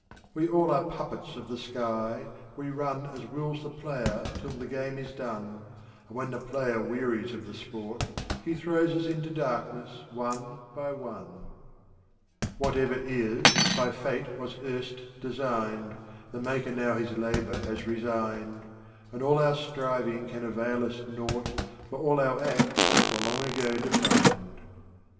II. We all are Puppets of the Sk}'', we run As wills the Player till the Game is done, And when the Player wearies of the Sport, He throws us into Darkness One by One. III. Whatever is, by Pate was erst designed, The Maker now his Labor has resigned, And all our Striving can avail us Naught, For all our Acts were long ago defined.